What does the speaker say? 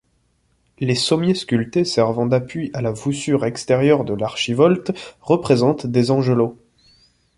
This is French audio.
Les sommiers sculptés servant d'appui à la voussure extérieure de l'archivolte représentent des angelots.